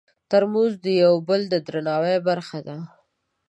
ترموز د یو بل د درناوي برخه ده.